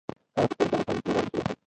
کره پښتو ليکل د افغان مسؤليت دی